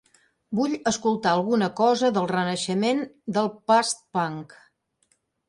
Vull escoltar alguna cosa del Renaixement del Post-punk.